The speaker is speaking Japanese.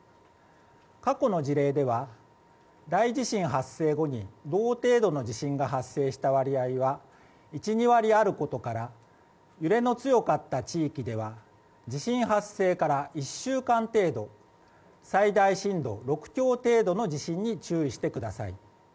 過去の事例では、大地震発生後に同程度の地震が発生した割合は１２割あることから揺れの強かった地域では地震発生から１週間程度最大震度６強程度の地震に注意してください。